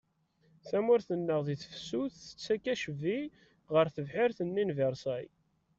Tamurt-nneɣ di tefsut tettak acbi ɣer tebḥirt-nni n Virṣay.